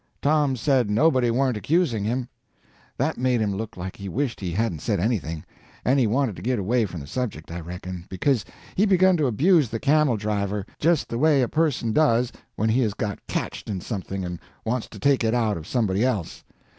Tom said nobody warn't accusing him. That made him look like he wished he hadn't said anything. And he wanted to git away from the subject, I reckon, because he begun to abuse the camel driver, just the way a person does when he has got catched in something and wants to take it out of somebody else.